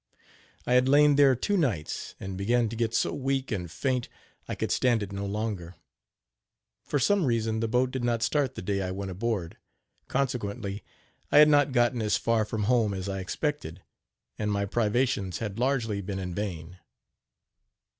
I had lain there two nights and began to get so weak and faint I could stand it no longer. For some reason the boat did not start the day I went aboard, consequently, I had not gotten as far from home as I expected, and my privations had largely been in vain.